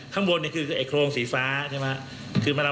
ข้างบนนี่คือเอกโครงสีฟ้า